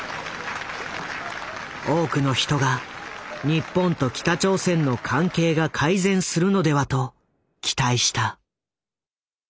多くの人が日本と北朝鮮の関係が改善するのではと期待した。